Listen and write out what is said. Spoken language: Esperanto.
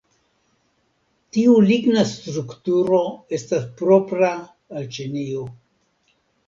Tiu ligna strukturo estas propra al Ĉinio.